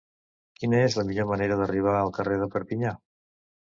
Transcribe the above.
Quina és la millor manera d'arribar al carrer de Perpinyà?